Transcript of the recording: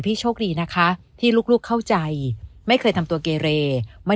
โชคดีนะคะที่ลูกเข้าใจไม่เคยทำตัวเกเรไม่